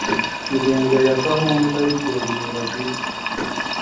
ingingo ya gahunda y igenzura bwite